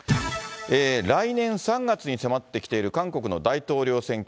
来年３月に迫ってきている韓国の大統領選挙。